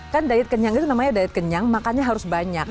kan diet kenyang itu namanya diet kenyang makannya harus banyak